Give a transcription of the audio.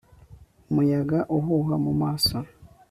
umuyaga uhuha mu maso